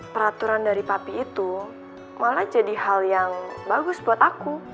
peraturan dari papi itu malah jadi hal yang bagus buat aku